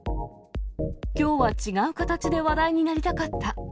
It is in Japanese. きょうは違う形で話題になりたかった。